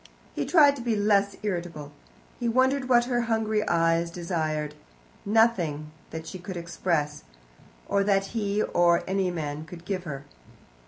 He tried to be less irritable. He wondered what her hungry eyes desired nothing that she could express, or that he or any man could give her.